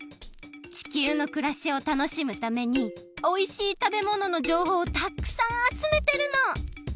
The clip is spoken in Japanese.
地球のくらしを楽しむためにおいしいたべもののじょうほうをたっくさんあつめてるの！